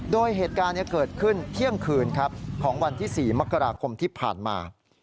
โดยเหตุการณ์นี้เกิดขึ้นเที่ยงคืนครับของวันที่๔มกราคมที่ผ่านมา